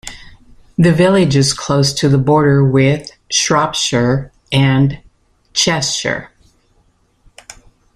The village is close to the border with Shropshire and Cheshire.